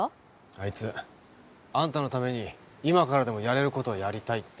あいつあんたのために今からでもやれる事はやりたいって。